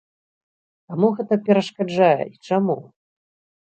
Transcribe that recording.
Каму гэта перашкаджае і чаму?